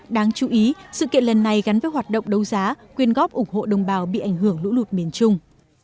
đáng chú ý sự kiện lần này gắn với hoạt động đấu giá quyên góp ủng hộ đồng bào bị ảnh hưởng lũ lụt miền trung